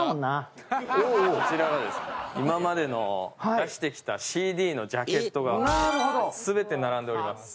今までの出してきたＣＤのジャケットが全て並んでおります。